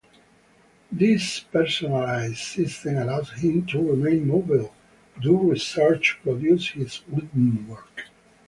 This personalized system allows him to remain mobile, do research, produce his written work.